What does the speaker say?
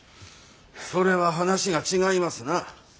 それは話が違いますな。